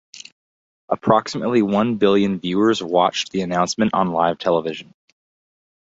Approximately one billion viewers watched the announcement on live television.